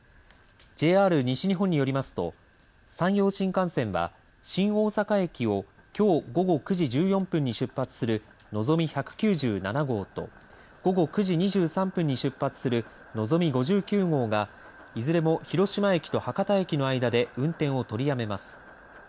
ＪＲ西日本によりますと山陽新幹線は新大阪駅をきょう午後９時１４分に出発するのぞみ１９７号と午後９時２３分に出発するのぞみ５９号がいずれも広島駅と博多駅の間で運転を取りやめます。